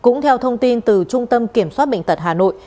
cũng theo thông tin từ trung tâm kiểm soát bệnh tật hà nội